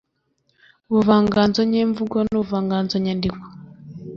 ubuvanganzo nyemvugo n'ubuvanganzo nyandiko